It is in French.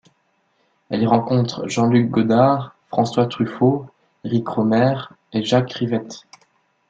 Elle y rencontre Jean-Luc Godard, François Truffaut, Eric Rohmer et Jacques Rivette.